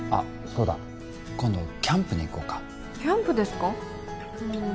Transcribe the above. そうだ今度キャンプに行こうかキャンプですかうん